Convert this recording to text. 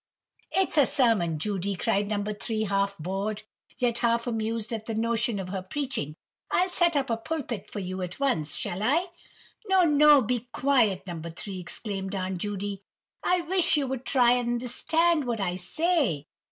'" "It's a sermon, Judy," cried No. 3, half bored, yet half amused at the notion of her preaching; "I'll set up a pulpit for you at once, shall I?" "No, no, be quiet, No. 3," exclaimed Aunt Judy, "I wish you would try and understand what I say!"